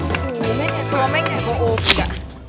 อู้วแม่ตัวแม่งใหญ่กว่าองอีกอ่ะ